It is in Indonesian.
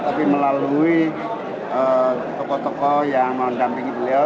tapi melalui tokoh tokoh yang mendampingi beliau